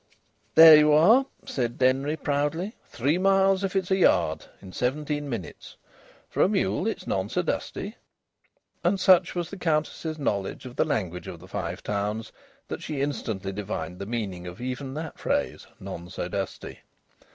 "There you are!" said Denry, proudly. "Three miles if it's a yard, in seventeen minutes. For a mule it's none so dusty." And such was the Countess's knowledge of the language of the Five Towns that she instantly divined the meaning of even that phrase, "none so dusty."